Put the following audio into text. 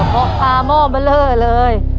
พอปลาหม้อเบลอเลย